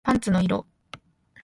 パンツの色